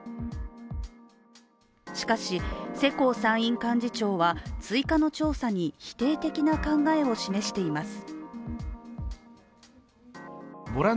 しかし、世耕参院幹事長は追加の調査に否定的な考えを示しています。